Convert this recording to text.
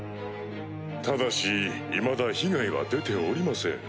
ただしいまだ被害は出ておりません。